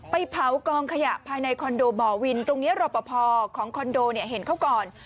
ไปเผากองขยะภายในคอนโดบ่อวินตรงนี้รอปภของคอนโดเนี่ยเห็นเขาก่อน